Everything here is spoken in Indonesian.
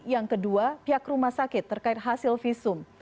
yang kedua pihak rumah sakit terkait hasil visum